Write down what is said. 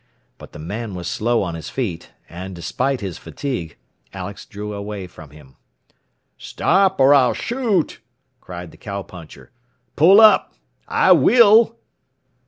But the man was slow on his feet, and despite his fatigue, Alex drew away from him. "Stop, or I'll shoot!" cried the cow puncher. "_Pull up! I will!